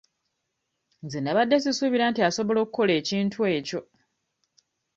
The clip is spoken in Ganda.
Nze nnabadde sisuubira nti asobola okukola ekintu ekyo.